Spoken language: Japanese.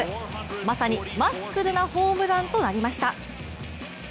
まさにマッスルなホームランとなりました。